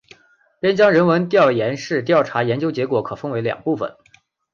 边疆人文研究室调查研究成果可分为两部分。